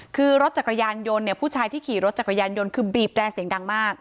คือรถจักรยานยนต์เนี่ยผู้ชายที่ขี่รถจักรยานยนต์คือบีบแร่เสียงดังมาก